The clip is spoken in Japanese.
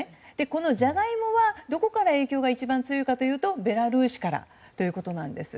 このジャガイモは、どこからの影響が一番強いかというとベラルーシからということなんです。